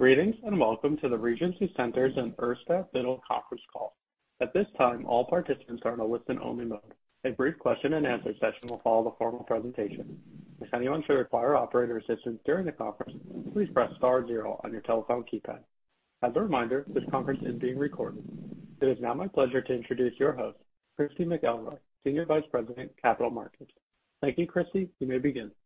Greetings, and welcome to the Regency Centers and Urstadt Biddle conference call. At this time, all participants are in a listen-only mode. A brief question-and-answer session will follow the formal presentation. If anyone should require operator assistance during the conference, please press star zero on your telephone keypad. As a reminder, this conference is being recorded. It is now my pleasure to introduce your host, Christy McElroy, Senior Vice President, Capital Markets. Thank you, Christy. You may begin. Thank you,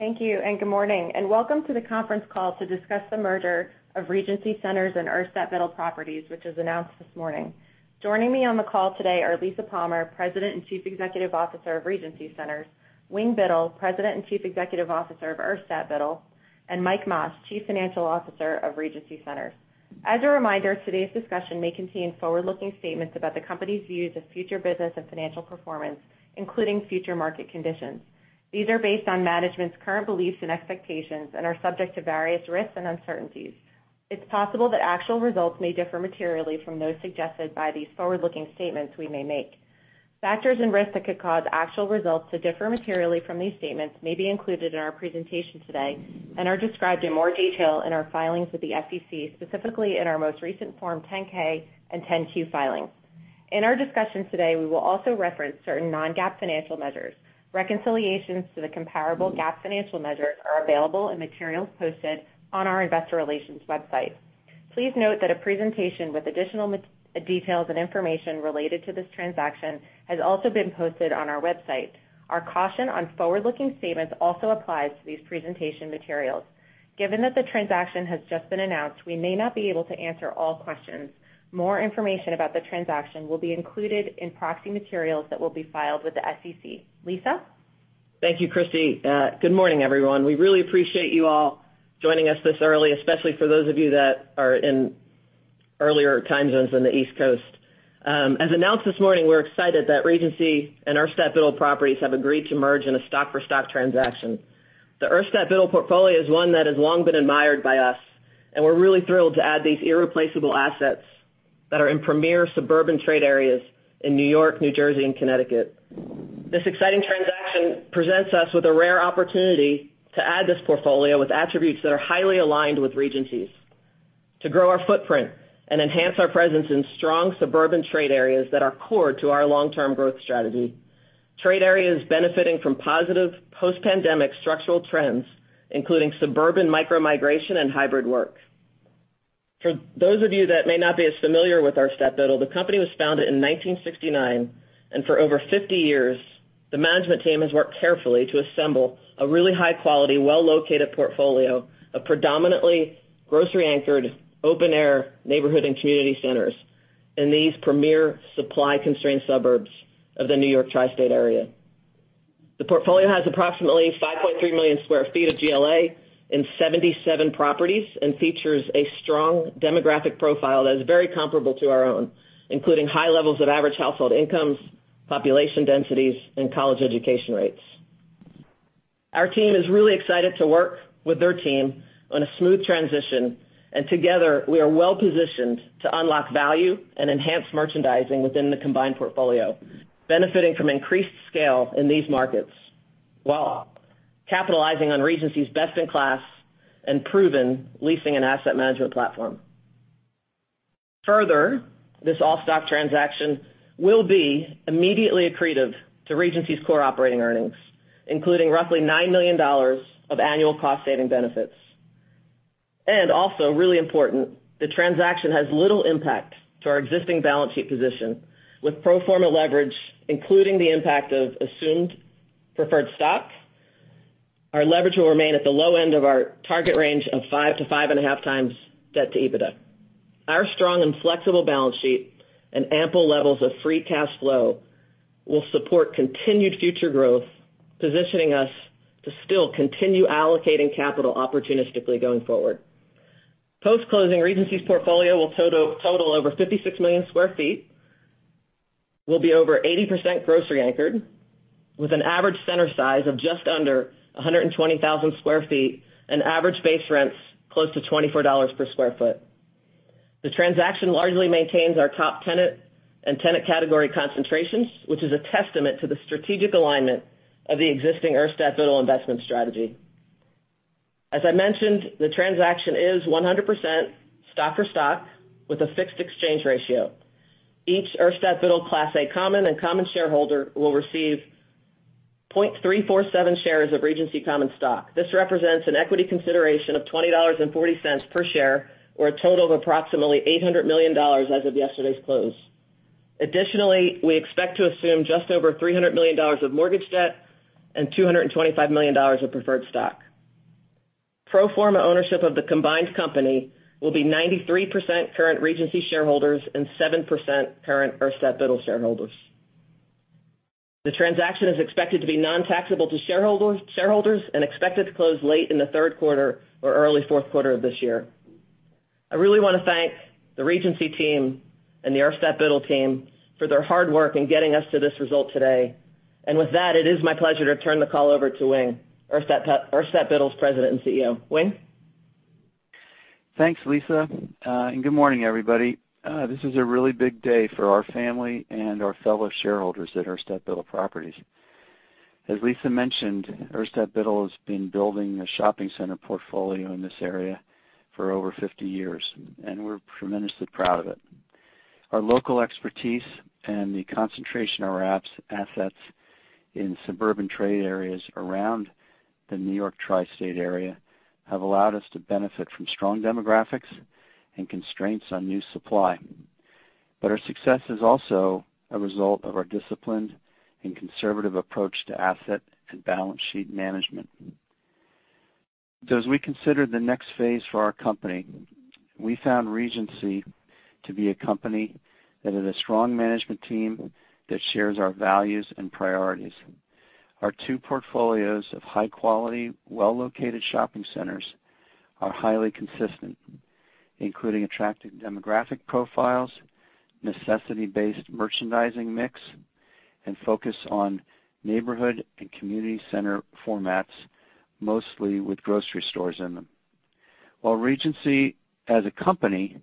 and good morning, and welcome to the conference call to discuss the merger of Regency Centers and Urstadt Biddle Properties, which was announced this morning. Joining me on the call today are Lisa Palmer, President and Chief Executive Officer of Regency Centers; Wing Biddle, President and Chief Executive Officer of Urstadt Biddle; and Mike Mas, Chief Financial Officer of Regency Centers. As a reminder, today's discussion may contain forward-looking statements about the company's views of future business and financial performance, including future market conditions. These are based on management's current beliefs and expectations and are subject to various risks and uncertainties. It's possible that actual results may differ materially from those suggested by these forward-looking statements we may make. Factors and risks that could cause actual results to differ materially from these statements may be included in our presentation today and are described in more detail in our filings with the SEC, specifically in our most recent form 10-K and 10-Q filings. In our discussion today, we will also reference certain non-GAAP financial measures. Reconciliations to the comparable GAAP financial measures are available in materials posted on our investor relations website. Please note that a presentation with additional details and information related to this transaction has also been posted on our website. Our caution on forward-looking statements also applies to these presentation materials. Given that the transaction has just been announced, we may not be able to answer all questions. More information about the transaction will be included in proxy materials that will be filed with the SEC. Lisa? Thank you, Christy. Good morning, everyone. We really appreciate you all joining us this early, especially for those of you that are in earlier time zones than the East Coast. As announced this morning, we're excited that Regency and Urstadt Biddle Properties have agreed to merge in a stock-for-stock transaction. The Urstadt Biddle portfolio is one that has long been admired by us, and we're really thrilled to add these irreplaceable assets that are in premier suburban trade areas in New York, New Jersey and Connecticut. This exciting transaction presents us with a rare opportunity to add this portfolio with attributes that are highly aligned with Regency's to grow our footprint and enhance our presence in strong suburban trade areas that are core to our long-term growth strategy. Trade areas benefiting from positive post-pandemic structural trends, including suburban micro migration and hybrid work. For those of you that may not be as familiar with Urstadt Biddle, the company was founded in 1969, and for over 50 years, the management team has worked carefully to assemble a really high-quality, well-located portfolio of predominantly grocery-anchored, open-air neighborhood and community centers in these premier supply-constrained suburbs of the New York tri-state area. The portfolio has approximately 5.3 million sq ft of GLA in 77 properties and features a strong demographic profile that is very comparable to our own, including high levels of average household incomes, population densities and college education rates. Our team is really excited to work with their team on a smooth transition, and together, we are well-positioned to unlock value and enhance merchandising within the combined portfolio, benefiting from increased scale in these markets while capitalizing on Regency's best-in-class and proven leasing and asset management platform. Further, this all-stock transaction will be immediately accretive to Regency's core operating earnings, including roughly $9 million of annual cost-saving benefits. Also really important, the transaction has little impact to our existing balance sheet position. With pro forma leverage, including the impact of assumed preferred stock, our leverage will remain at the low end of our target range of 5 to 5.5 times debt to EBITDA. Our strong and flexible balance sheet and ample levels of free cash flow will support continued future growth, positioning us to still continue allocating capital opportunistically going forward. Post-closing, Regency's portfolio will total over 56 million sq ft, will be over 80% grocery anchored, with an average center size of just under 120,000 sq ft, and average base rents close to $24 per sq ft. The transaction largely maintains our top tenant and tenant category concentrations, which is a testament to the strategic alignment of the existing Urstadt Biddle investment strategy. As I mentioned, the transaction is 100% stock for stock with a fixed exchange ratio. Each Urstadt Biddle Class A common and common shareholder will receive 0.347 shares of Regency common stock. This represents an equity consideration of $20.40 per share or a total of approximately $800 million as of yesterday's close. Additionally, we expect to assume just over $300 million of mortgage debt and $225 million of preferred stock. Pro forma ownership of the combined company will be 93% current Regency shareholders and 7% current Urstadt Biddle shareholders. The transaction is expected to be non-taxable to shareholders and expected to close late in the third quarter or early fourth quarter of this year. I really wanna thank the Regency team and the Urstadt Biddle team for their hard work in getting us to this result today. With that, it is my pleasure to turn the call over to Wing, Urstadt Biddle's President and CEO. Wing? Thanks, Lisa, and good morning, everybody. This is a really big day for our family and our fellow shareholders at Urstadt Biddle Properties. As Lisa mentioned, Urstadt Biddle has been building a shopping center portfolio in this area for over 50 years, and we're tremendously proud of it. Our local expertise and the concentration of our assets in suburban trade areas around the New York tri-state area have allowed us to benefit from strong demographics and constraints on new supply. Our success is also a result of our disciplined and conservative approach to asset and balance sheet management. As we consider the next phase for our company, we found Regency to be a company that has a strong management team that shares our values and priorities. Our two portfolios of high quality, well-located shopping centers are highly consistent, including attractive demographic profiles, necessity-based merchandising mix, and focus on neighborhood and community center formats, mostly with grocery stores in them. While Regency, as a company,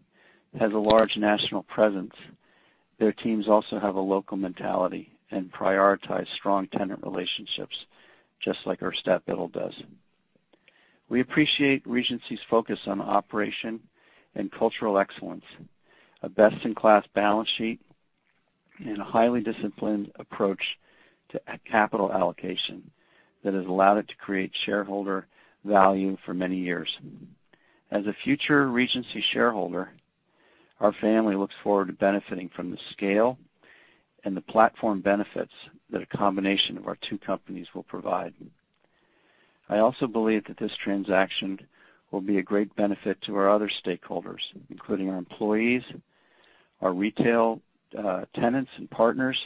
has a large national presence, their teams also have a local mentality and prioritize strong tenant relationships just like Urstadt Biddle does. We appreciate Regency's focus on operation and cultural excellence, a best-in-class balance sheet and a highly disciplined approach to capital allocation that has allowed it to create shareholder value for many years. As a future Regency shareholder, our family looks forward to benefiting from the scale and the platform benefits that a combination of our two companies will provide. I also believe that this transaction will be a great benefit to our other stakeholders, including our employees, our retail, tenants and partners,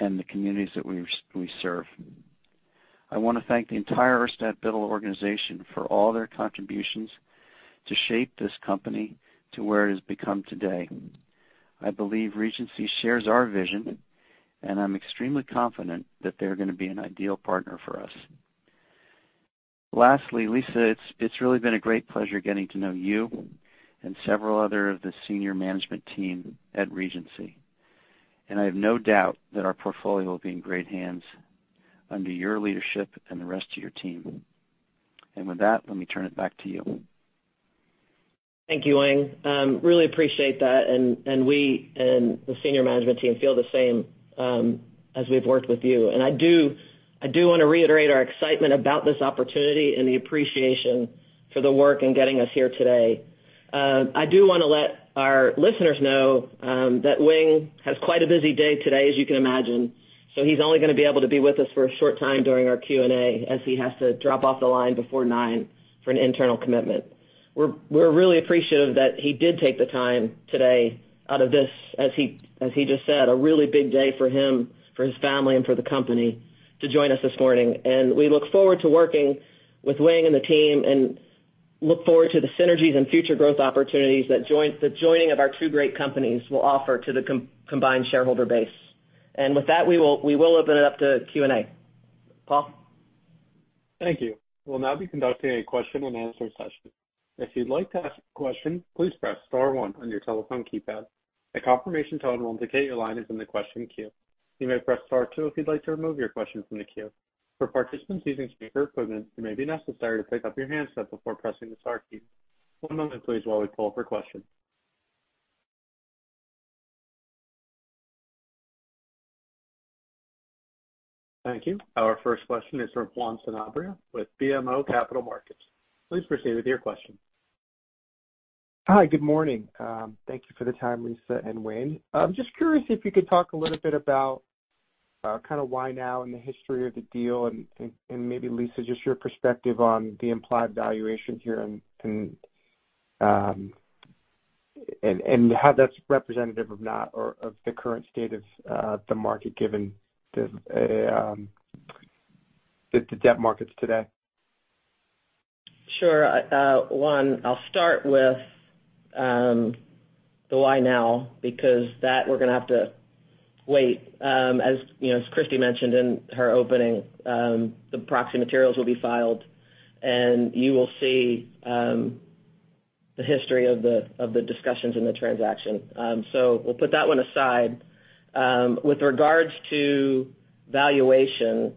and the communities that we serve. I want to thank the entire Urstadt Biddle organization for all their contributions to shape this company to where it has become today. I believe Regency shares our vision, and I'm extremely confident that they're going to be an ideal partner for us. Lastly, Lisa, it's really been a great pleasure getting to know you and several other of the senior management team at Regency. I have no doubt that our portfolio will be in great hands under your leadership and the rest of your team. With that, let me turn it back to you. Thank you, Wing. Really appreciate that. We and the senior management team feel the same as we've worked with you. I do want to reiterate our excitement about this opportunity and the appreciation for the work in getting us here today. I do want to let our listeners know that Wing has quite a busy day today, as you can imagine, so he's only going to be able to be with us for a short time during our Q&A as he has to drop off the line before 9:00 A.M. for an internal commitment. We're really appreciative that he did take the time today out of this, as he just said, a really big day for him, for his family, and for the company to join us this morning. We look forward to working with Wing and the team and look forward to the synergies and future growth opportunities that the joining of our two great companies will offer to the combined shareholder base. With that, we will open it up to Q&A. Paul? Thank you. We'll now be conducting a question-and-answer session. If you'd like to ask a question, please press star one on your telephone keypad. A confirmation tone will indicate your line is in the question queue. You may press star two if you'd like to remove your question from the queue. For participants using speaker equipment, it may be necessary to pick up your handset before pressing the star key. One moment, please, while we pull up for questions. Thank you. Our first question is from Juan Sanabria with BMO Capital Markets. Please proceed with your question. Hi. Good morning. Thank you for the time, Lisa and Wing. I'm just curious if you could talk a little bit about kind of why now in the history of the deal and maybe, Lisa, just your perspective on the implied valuation here and how that's representative or not or of the current state of the market given the debt markets today. Sure. Juan, I'll start with the why now because that we're gonna have to wait. As, you know, as Christy mentioned in her opening, the proxy materials will be filed, and you will see the history of the discussions in the transaction. We'll put that one aside. With regards to valuation,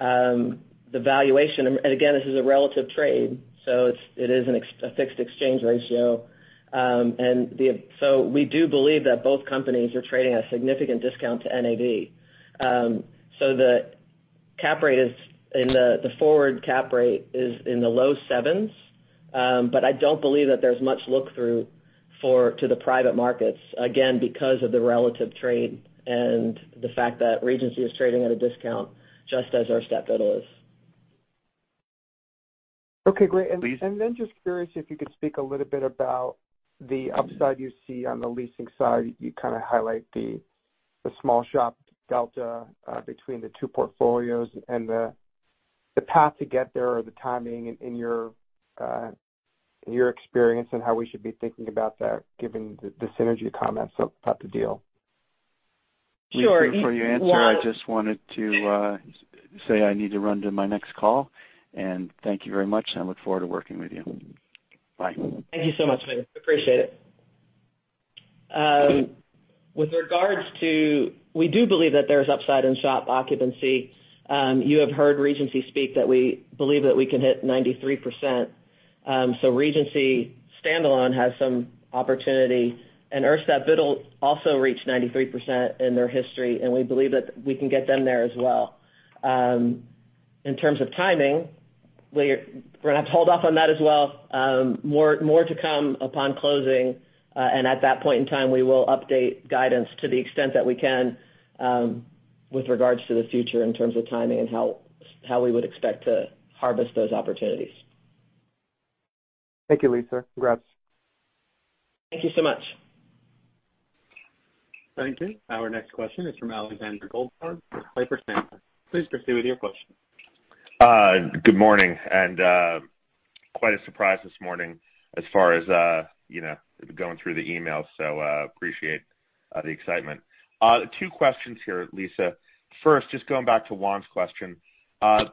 the valuation, and again, this is a relative trade, so it is a fixed exchange ratio. And the... We do believe that both companies are trading at a significant discount to NAV. The cap rate is in the forward cap rate is in the low sevens. I don't believe that there's much look-through to the private markets, again, because of the relative trade and the fact that Regency is trading at a discount, just as Urstadt Biddle is. Okay. Great. Please- Then just curious if you could speak a little bit about the upside you see on the leasing side. You kind of highlight the small shop delta between the two portfolios and the path to get there or the timing in your experience and how we should be thinking about that given the synergy comments about the deal. Sure. Before you answer, I just wanted to say I need to run to my next call. Thank you very much. I look forward to working with you. Bye. Thank you so much, Mike. Appreciate it. With regards to, we do believe that there's upside in shop occupancy. You have heard Regency speak that we believe that we can hit 93%. Regency standalone has some opportunity. Urstadt Biddle also reached 93% in their history, and we believe that we can get them there as well. In terms of timing, we're gonna have to hold off on that as well. More to come upon closing, and at that point in time, we will update guidance to the extent that we can, with regards to the future in terms of timing and how we would expect to harvest those opportunities. Thank you, Lisa. Congrats. Thank you so much. Thank you. Our next question is from Alexander Goldfarb with Piper Sandler. Please proceed with your question. Good morning, quite a surprise this morning as far as, you know, going through the email, appreciate the excitement. Two questions here, Lisa. First, just going back to Juan's question.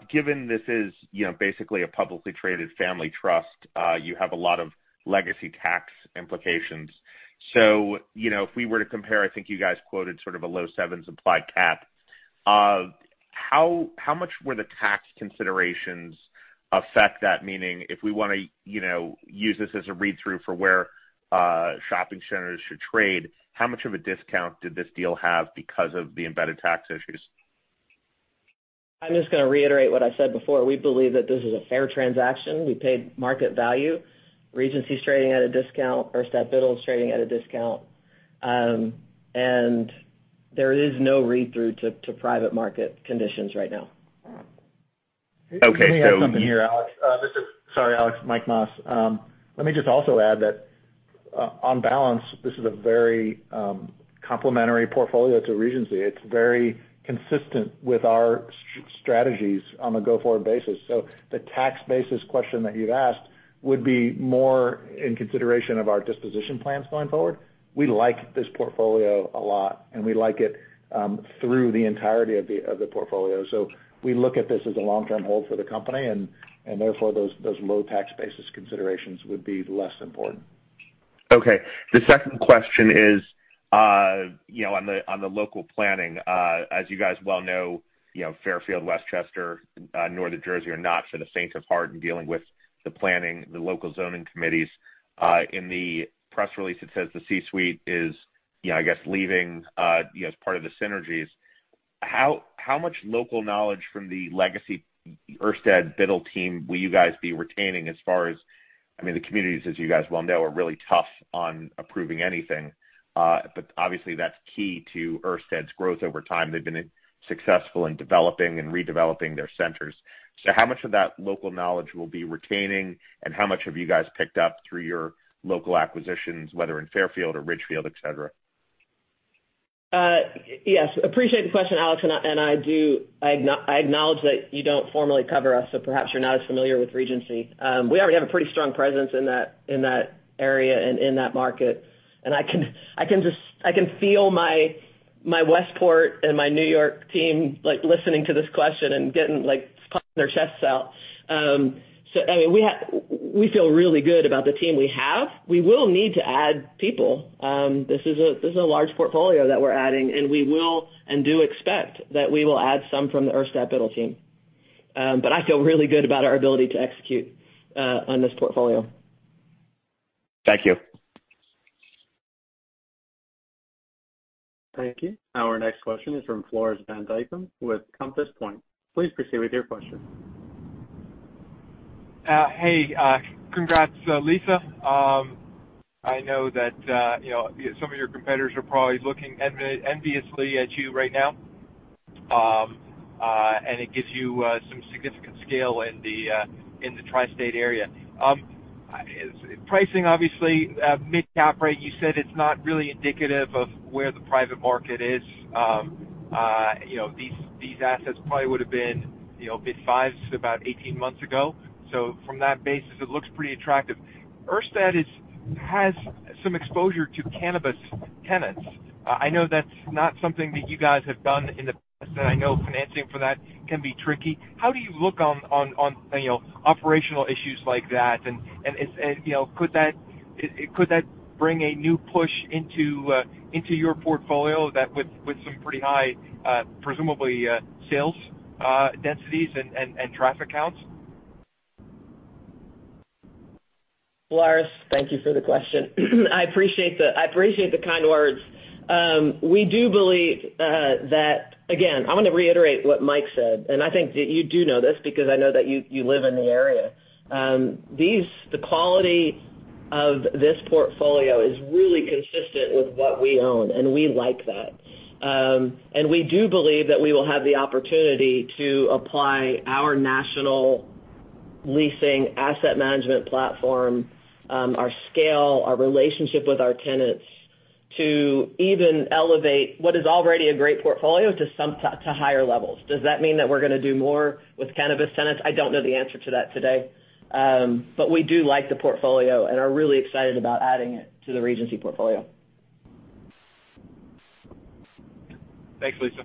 Given this is, you know, basically a publicly traded family trust, you have a lot of legacy tax implications. You know, if we were to compare, I think you guys quoted sort of a low 7s implied cap. How much were the tax considerations affect that? Meaning, if we wanna, you know, use this as a read-through for where, shopping centers should trade, how much of a discount did this deal have because of the embedded tax issues? I'm just gonna reiterate what I said before. We believe that this is a fair transaction. We paid market value. Regency's trading at a discount. Urstadt Biddle's trading at a discount. There is no read-through to private market conditions right now. Okay. Let me add something here, Alex. Sorry, Alex. Mike Mas. Let me just also add that on balance, this is a very complementary portfolio to Regency. It's very consistent with our strategies on a go-forward basis. The tax basis question that you've asked would be more in consideration of our disposition plans going forward. We like this portfolio a lot, and we like it through the entirety of the portfolio. We look at this as a long-term hold for the company, and therefore, those low tax basis considerations would be less important. Okay. The second question is, you know, on the, on the local planning. As you guys well know, you know, Fairfield, Westchester, northern Jersey are not for the faint of heart in dealing with the planning, the local zoning committees. In the press release, it says the C-suite is, you know, I guess, leaving, you know, as part of the synergies. How much local knowledge from the legacy Urstadt Biddle team will you guys be retaining as far as... I mean, the communities, as you guys well know, are really tough on approving anything. Obviously, that's key to Urstadt's growth over time. They've been successful in developing and redeveloping their centers. How much of that local knowledge will be retaining, and how much have you guys picked up through your local acquisitions, whether in Fairfield or Ridgefield, et cetera? Yes. Appreciate the question, Alex. I acknowledge that you don't formally cover us, so perhaps you're not as familiar with Regency. We already have a pretty strong presence in that, in that area and in that market. I can feel my Westport and my New York team, like, listening to this question and getting, like, puffing their chests out. I mean, we feel really good about the team we have. We will need to add people. This is a large portfolio that we're adding, and we will and do expect that we will add some from the Urstadt Biddle team. I feel really good about our ability to execute on this portfolio. Thank you. Thank you. Our next question is from Floris van Dijkum with Compass Point. Please proceed with your question. Hey, congrats, Lisa. I know that, you know, some of your competitors are probably looking enviously at you right now, and it gives you some significant scale in the tri-state area. Pricing obviously, mid-cap rate, you said it's not really indicative of where the private market is. You know, these assets probably would have been, you know, bid 5s about 18 months ago. From that basis, it looks pretty attractive. Urstadt Biddle has some exposure to cannabis tenants. I know that's not something that you guys have done in the past, and I know financing for that can be tricky. How do you look on, you know, operational issues like that? Is, you know, could that bring a new push into your portfolio that with some pretty high, presumably, sales densities and traffic counts? Floris, thank you for the question. I appreciate the kind words. We do believe that... Again, I wanna reiterate what Mike said, and I think that you do know this because I know that you live in the area. The quality of this portfolio is really consistent with what we own, and we like that. We do believe that we will have the opportunity to apply our national leasing asset management platform, our scale, our relationship with our tenants to even elevate what is already a great portfolio to higher levels. Does that mean that we're gonna do more with cannabis tenants? I don't know the answer to that today. We do like the portfolio and are really excited about adding it to the Regency portfolio. Thanks, Lisa.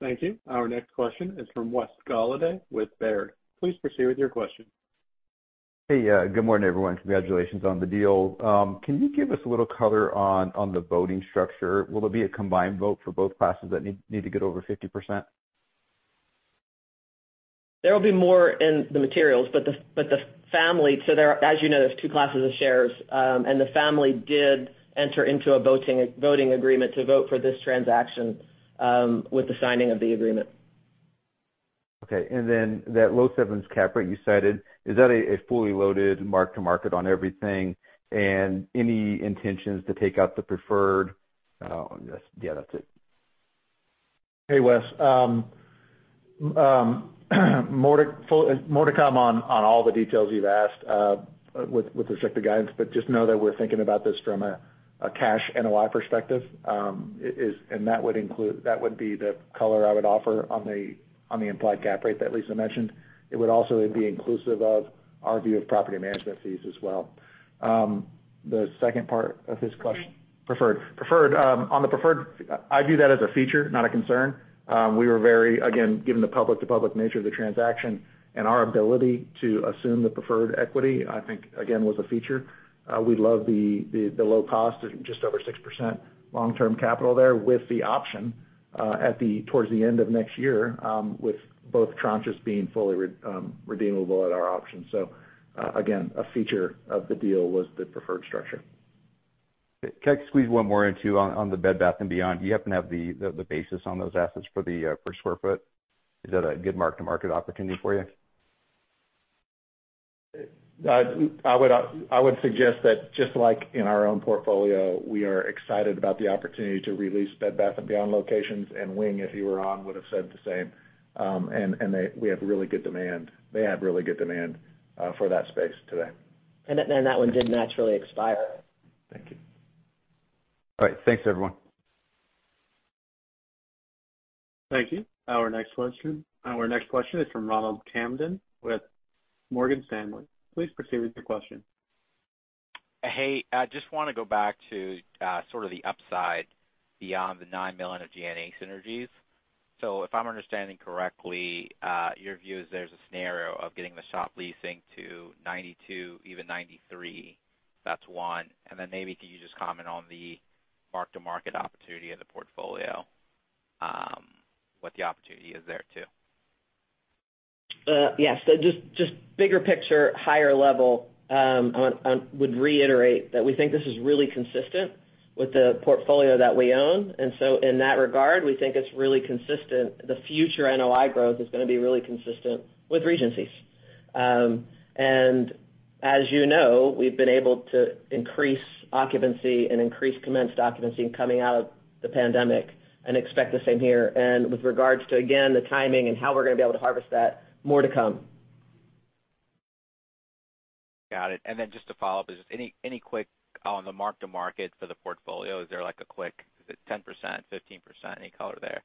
Thank you. Our next question is from Wes Golladay with Baird. Please proceed with your question. Hey, good morning, everyone. Congratulations on the deal. Can you give us a little color on the voting structure? Will it be a combined vote for both classes that need to get over 50%? There will be more in the materials, but the family, as you know, there's two classes of shares. The family did enter into a voting agreement to vote for this transaction with the signing of the agreement. Okay. That low 7s cap rate you cited, is that a fully loaded mark to market on everything? Any intentions to take out the preferred? That's it. Hey, Wes. more to come on all the details you've asked with respect to guidance, but just know that we're thinking about this from a cash NOI perspective. That would be the color I would offer on the implied cap rate that Lisa mentioned. It would also be inclusive of our view of property management fees as well. The second part of his question? Preferred, on the preferred, I view that as a feature, not a concern. We were very, again, given the public to public nature of the transaction and our ability to assume the preferred equity, I think, again, was a feature. We love the low cost of just over 6% long-term capital there with the option, towards the end of next year, with both tranches being fully redeemable at our option. Again, a feature of the deal was the preferred structure. Can I squeeze one more or two on the Bed Bath & Beyond? Do you happen to have the basis on those assets for the per square foot? Is that a good mark to market opportunity for you? I would suggest that just like in our own portfolio, we are excited about the opportunity to release Bed Bath & Beyond locations, and Wing, if he were on, would have said the same. We have really good demand. They have really good demand for that space today. That one did naturally expire. Thank you. All right. Thanks, everyone. Thank you. Our next question is from Ronald Kamdem with Morgan Stanley. Please proceed with your question. Hey, I just wanna go back to, sort of the upside beyond the $9 million of G&A synergies. If I'm understanding correctly, your view is there's a scenario of getting the shop leasing to 92, even 93. That's one. Maybe can you just comment on the mark to market opportunity of the portfolio, what the opportunity is there too? Yes. Just bigger picture, higher level, would reiterate that we think this is really consistent with the portfolio that we own. In that regard, we think it's really consistent. The future NOI growth is going to be really consistent with Regency's. As you know, we've been able to increase occupancy and increase commenced occupancy coming out of the pandemic and expect the same here. With regards to, again, the timing and how we're going to be able to harvest that, more to come. Got it. Just to follow up, is just any quick on the mark to market for the portfolio, is there like a quick, is it 10%, 15%? Any color there?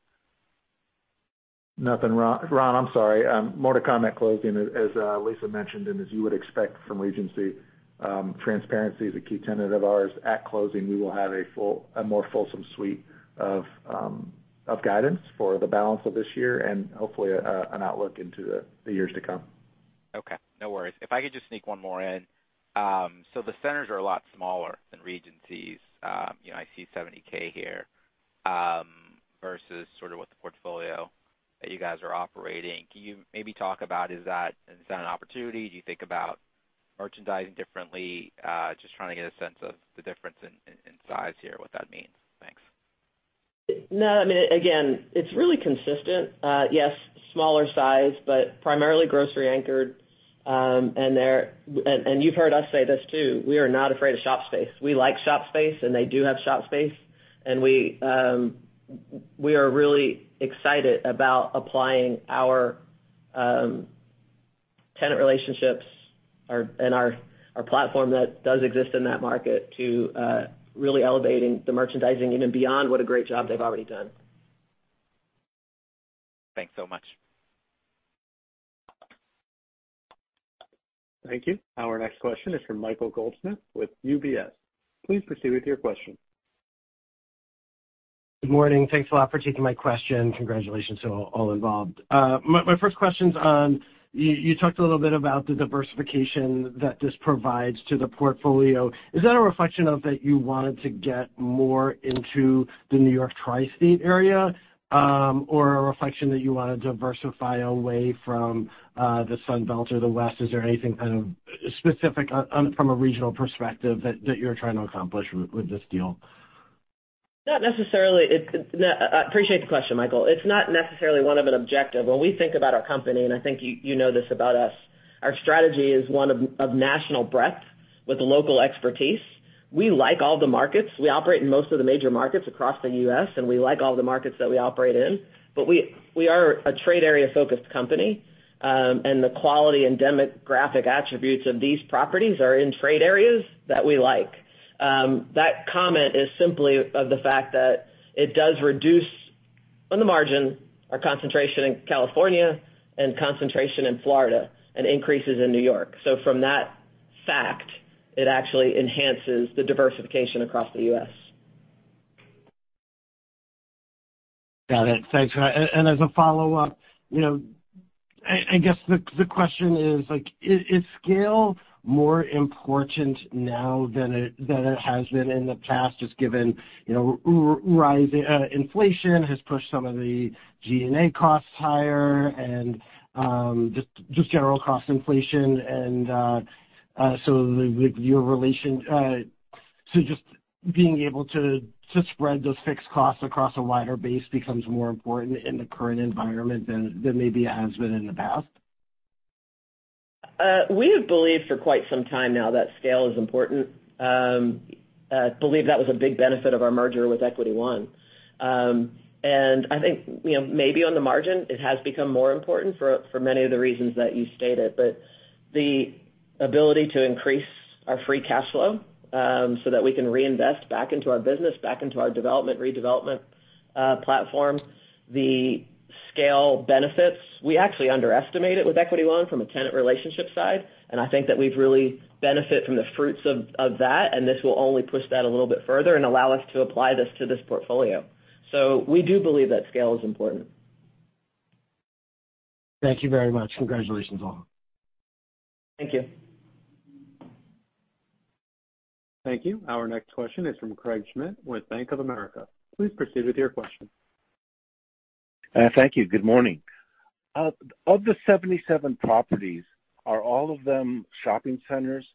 Nothing, Ron. I'm sorry. More to come at closing, as Lisa mentioned, and as you would expect from Regency. Transparency is a key tenet of ours. At closing, we will have a full, a more fulsome suite of guidance for the balance of this year and hopefully, an outlook into the years to come. Okay. No worries. If I could just sneak one more in. The centers are a lot smaller than Regency's. You know, I see 70k here, versus sort of what the portfolio that you guys are operating. Can you maybe talk about is that an opportunity? Do you think about merchandising differently? Just trying to get a sense of the difference in, in size here, what that means. Thanks. No, I mean, again, it's really consistent. Yes, smaller size, but primarily grocery anchored. You've heard us say this too, we are not afraid of shop space. We like shop space, and they do have shop space. We are really excited about applying our tenant relationships and our platform that does exist in that market to really elevating the merchandising even beyond what a great job they've already done. Thanks so much. Thank you. Our next question is from Michael Goldsmith with UBS. Please proceed with your question. Good morning. Thanks a lot for taking my question. Congratulations to all involved. My first question's on you talked a little bit about the diversification that this provides to the portfolio. Is that a reflection of that you wanted to get more into the New York Tri-State area, or a reflection that you wanna diversify away from the Sun Belt or the West? Is there anything kind of specific on from a regional perspective that you're trying to accomplish with this deal? Not necessarily. I appreciate the question, Michael. It's not necessarily one of an objective. When we think about our company, and I think you know this about us, our strategy is one of national breadth with local expertise. We like all the markets. We operate in most of the major markets across the U.S., and we like all the markets that we operate in. But we are a trade area-focused company, and the quality and demographic attributes of these properties are in trade areas that we like. That comment is simply of the fact that it does reduce on the margin our concentration in California and concentration in Florida and increases in New York. So from that fact, it actually enhances the diversification across the U.S. Got it. Thanks. As a follow-up, you know, I guess the question is, like, is scale more important now than it, than it has been in the past, just given, you know, rising inflation has pushed some of the G&A costs higher and general cost inflation and so just being able to spread those fixed costs across a wider base becomes more important in the current environment than maybe it has been in the past? We have believed for quite some time now that scale is important. Believe that was a big benefit of our merger with Equity One. I think, you know, maybe on the margin, it has become more important for many of the reasons that you stated. The ability to increase our free cash flow, so that we can reinvest back into our business, back into our development, redevelopment, platform. The scale benefits, we actually underestimate it with Equity One from a tenant relationship side, and I think that we've really benefit from the fruits of that, and this will only push that a little bit further and allow us to apply this to this portfolio. We do believe that scale is important. Thank you very much. Congratulations on it. Thank you. Thank you. Our next question is from Craig Schmidt with Bank of America. Please proceed with your question. Thank you. Good morning. Of the 77 properties, are all of them shopping centers?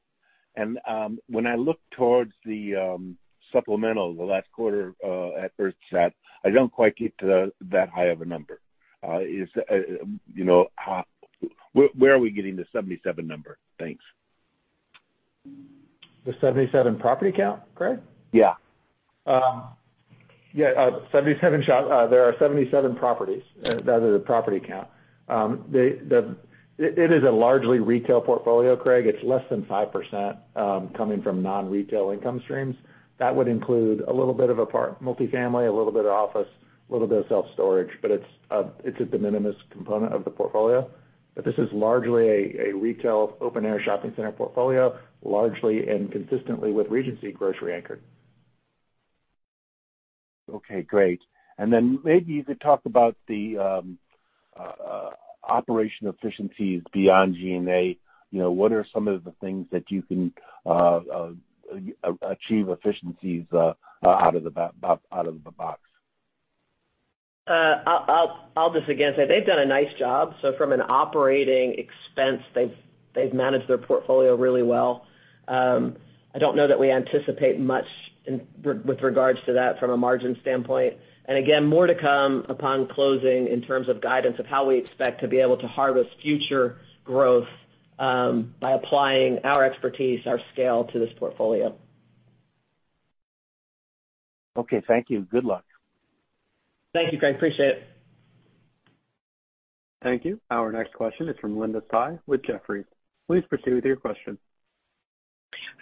When I look towards the supplemental the last quarter, at Urstadt Biddle, I don't quite get to that high of a number. Is, you know, where are we getting the 77 number? Thanks. The 77 property count, Craig? Yeah. Yeah, 77 properties. That is a property count. It is a largely retail portfolio, Craig Schmidt. It's less than 5%, coming from non-retail income streams. That would include a little bit of multifamily, a little bit of office, a little bit of self-storage, but it's a de minimis component of the portfolio. This is largely a retail open-air shopping center portfolio, largely and consistently with Regency Centers grocery anchored. Okay, great. Maybe you could talk about the operation efficiencies beyond G&A. You know, what are some of the things that you can achieve efficiencies out of the box? I'll just again say they've done a nice job. From an operating expense, they've managed their portfolio really well. I don't know that we anticipate much with regards to that from a margin standpoint. Again, more to come upon closing in terms of guidance of how we expect to be able to harvest future growth by applying our expertise, our scale to this portfolio. Okay, thank you. Good luck. Thank you, Craig. Appreciate it. Thank you. Our next question is from Linda Tsai with Jefferies. Please proceed with your question.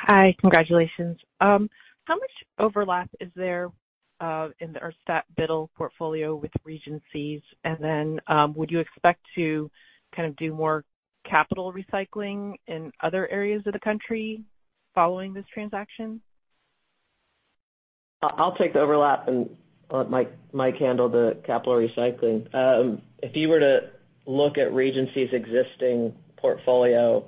Hi. Congratulations. How much overlap is there in the Urstadt Biddle portfolio with Regencies? Would you expect to kind of do more capital recycling in other areas of the country following this transaction? I'll take the overlap and let Mike handle the capital recycling. If you were to look at Regency's existing portfolio,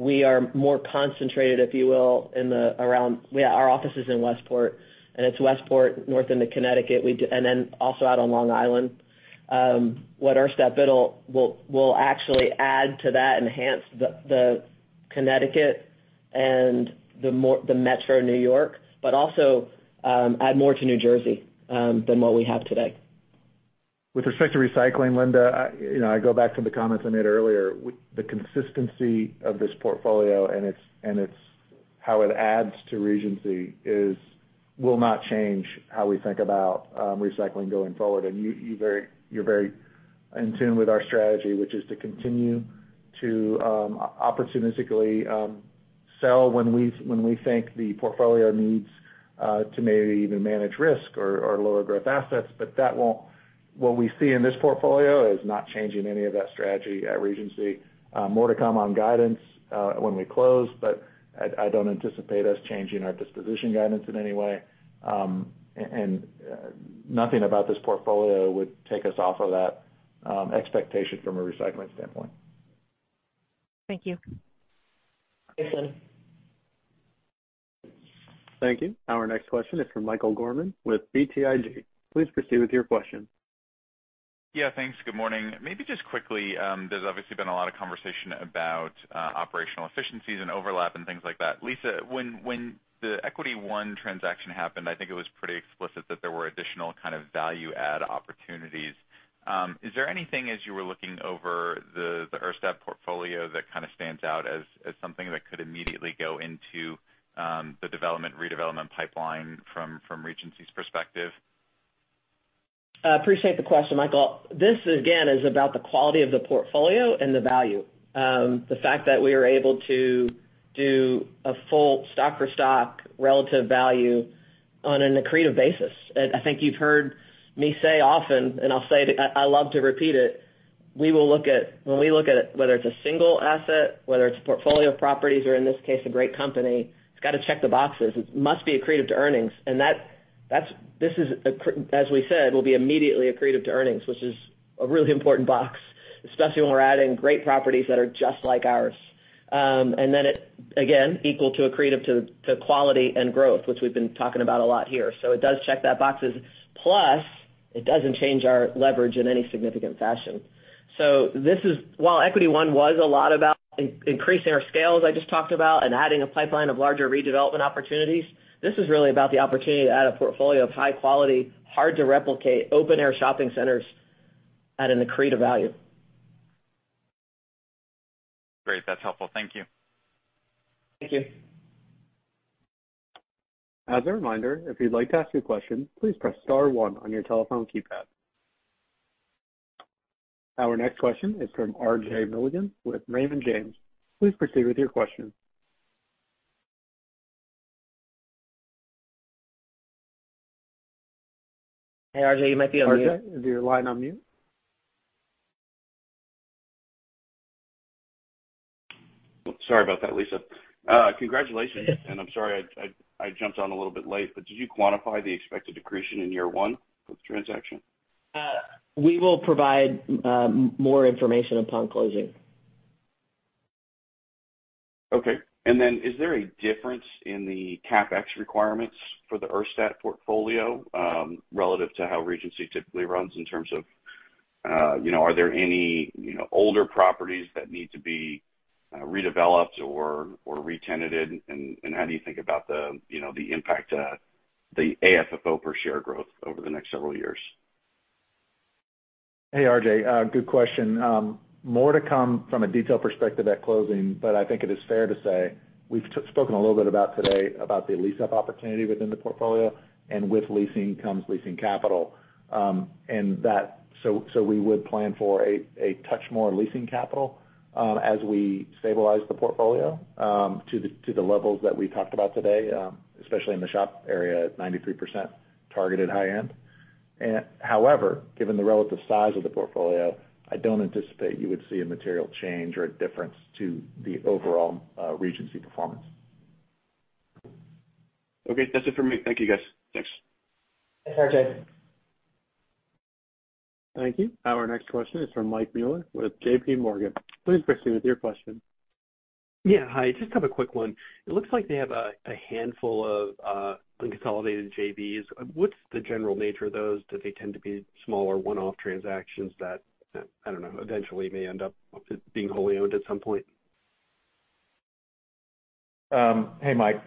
we are more concentrated, if you will, in Westport, and it's Westport, north into Connecticut. Then also out on Long Island. What Urstadt Biddle will actually add to that, enhance the Connecticut and the metro New York, but also, add more to New Jersey, than what we have today. With respect to recycling, Linda, I, you know, I go back to the comments I made earlier. The consistency of this portfolio and its how it adds to Regency is, will not change how we think about recycling going forward. You're very in tune with our strategy, which is to continue to opportunistically sell when we, when we think the portfolio needs to maybe even manage risk or lower growth assets. What we see in this portfolio is not changing any of that strategy at Regency. More to come on guidance when we close, but I don't anticipate us changing our disposition guidance in any way. Nothing about this portfolio would take us off of that expectation from a recycling standpoint. Thank you. Thanks, Linda. Thank you. Our next question is from Michael Gorman with BTIG. Please proceed with your question. Thanks. Good morning. Maybe just quickly, there's obviously been a lot of conversation about operational efficiencies and overlap and things like that. Lisa, when the Equity One transaction happened, I think it was pretty explicit that there were additional kind of value add opportunities. Is there anything as you were looking over the Urstadt Biddle portfolio that kind of stands out as something that could immediately go into the development, redevelopment pipeline from Regency's perspective? Appreciate the question, Michael. This again is about the quality of the portfolio and the value. The fact that we are able to do a full stock for stock relative value on an accretive basis. I think you've heard me say often, I'll say it. I love to repeat it. We will look at it, whether it's a single asset, whether it's portfolio properties, or in this case, a great company, it's gotta check the boxes. It must be accretive to earnings. That's as we said, will be immediately accretive to earnings, which is a really important box, especially when we're adding great properties that are just like ours. It, again, equal to accretive to quality and growth, which we've been talking about a lot here. It does check that boxes. It doesn't change our leverage in any significant fashion. This is while Equity One was a lot about increasing our scales, I just talked about, and adding a pipeline of larger redevelopment opportunities, this is really about the opportunity to add a portfolio of high quality, hard to replicate, open air shopping centers at an accretive value. Great. That's helpful. Thank you. Thank you. As a reminder, if you'd like to ask a question, please press star one on your telephone keypad. Our next question is from RJ Milligan with Raymond James. Please proceed with your question. Hey, RJ, you might be on mute. RJ, is your line on mute? Sorry about that, Lisa. Congratulations, and I'm sorry I jumped on a little bit late, did you quantify the expected accretion in year one of the transaction? We will provide more information upon closing. Okay. Is there a difference in the CapEx requirements for the Urstadt portfolio, relative to how Regency typically runs in terms of, you know, are there any, you know, older properties that need to be redeveloped or retenanted, and how do you think about the, you know, the impact to the AFFO per share growth over the next several years? Hey, RJ, good question. More to come from a detail perspective at closing, but I think it is fair to say we've spoken a little bit about today about the lease up opportunity within the portfolio, and with leasing comes leasing capital. So we would plan for a touch more leasing capital, as we stabilize the portfolio, to the levels that we talked about today, especially in the shop area at 93% targeted high end. However, given the relative size of the portfolio, I don't anticipate you would see a material change or a difference to the overall Regency performance. Okay. That's it for me. Thank you, guys. Thanks. Thanks, RJ. Thank you. Our next question is from Michael Mueller with JPMorgan. Please proceed with your question. Yeah. Hi. Just have a quick one. It looks like they have a handful of unconsolidated JVs. What's the general nature of those? Do they tend to be smaller one-off transactions that, I don't know, eventually may end up being wholly owned at some point? Hey, Mike.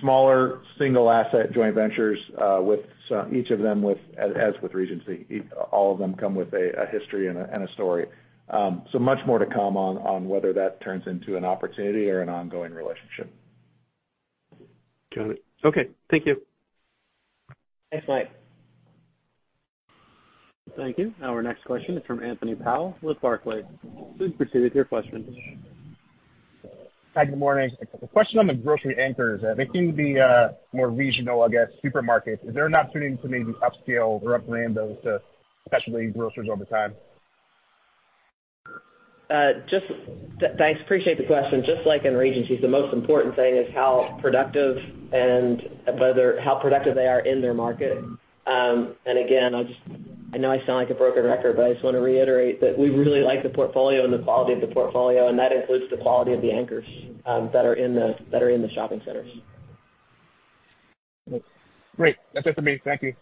Smaller single asset joint ventures, each of them with, as with Regency, all of them come with a history and a story. So much more to come on whether that turns into an opportunity or an ongoing relationship. Got it. Okay. Thank you. Thanks, Mike. Thank you. Our next question is from Anthony Powell with Barclays. Please proceed with your question. Hi. Good morning. A question on the grocery anchors. They seem to be more regional, I guess, supermarkets. Is there an opportunity to maybe upscale or upgrade those to specialty grocers over time? Thanks, appreciate the question. Just like in Regency, the most important thing is how productive they are in their market. Again, I know I sound like a broken record, but I just wanna reiterate that we really like the portfolio and the quality of the portfolio, and that includes the quality of the anchors that are in the shopping centers. Great. That's it for me. Thank you.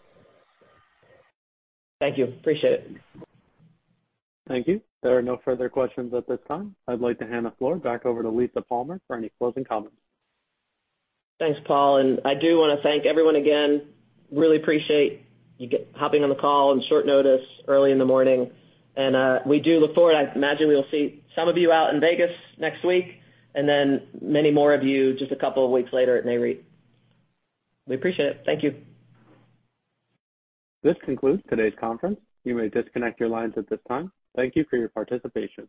Thank you. Appreciate it.. Thank you. There are no further questions at this time. I'd like to hand the floor back over to Lisa Palmer for any closing comments. Thanks, Paul, and I do wanna thank everyone again. Really appreciate you hopping on the call on short notice early in the morning. We do look forward. I imagine we will see some of you out in Vegas next week, and then many more of you just a couple of weeks later at Nareit. We appreciate it. Thank you. This concludes today's conference. You may disconnect your lines at this time. Thank you for your participation.